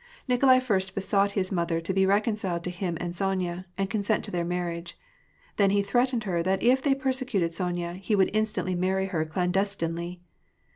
Nikolai first besought his mother to be recon ciled to him and Sonya, and consent to their marriage ; then he threatened her that if they persecuted Sonya, he would instantly marry her clandestinely.